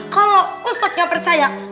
kalau ustadz gak percaya